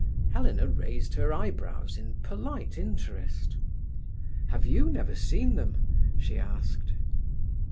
Helena raised her eyebrows in polite interest. "Have you never seen them?" she asked.